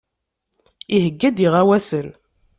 Iheyya-d iɣawasen.